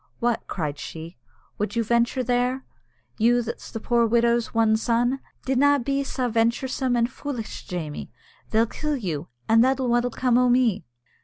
"What!" cried she, "would you venture there? you that's the poor widow's one son! Dinna be sae venturesome an' foolitch, Jamie! They'll kill you, an' then what'll come o' me?"